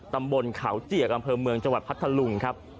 ตำบลเขาเจียกอำเภอเมืองจังหวัดพัทธลุงครับ